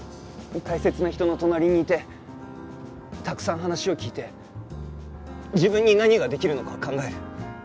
大切な人の隣にいてたくさん話を聞いて自分に何ができるのか考える。